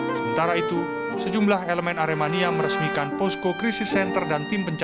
sementara itu sejumlah elemen aremania meresmikan posko krisis center dan tim pencari